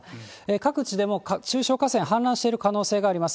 各地でも中小河川、氾濫している可能性があります。